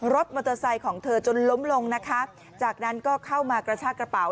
รถมอเตอร์ไซค์ของเธอจนล้มลงนะคะจากนั้นก็เข้ามากระชากระเป๋า